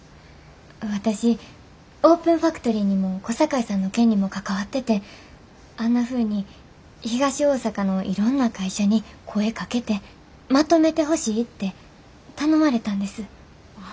私オープンファクトリーにも小堺さんの件にも関わっててあんなふうに東大阪のいろんな会社に声かけてまとめてほしいって頼まれたんです。